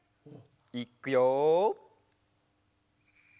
いっくよ！